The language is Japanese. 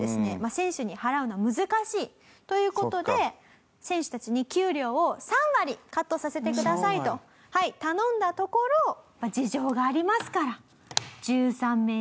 選手に払うのは難しいという事で選手たちに給料を３割カットさせてくださいと頼んだところ事情がありますから１３名中８名が離脱。